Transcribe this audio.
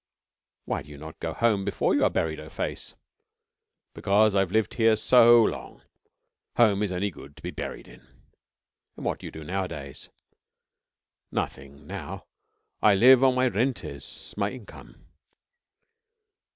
'Why not go home before you are buried, O Face?' 'Because I have lived here so long. Home is only good to be buried in.' 'And what do you do, nowadays?' 'Nothing now. I live on my rentes my income.'